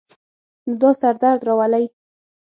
نو دا سر درد راولی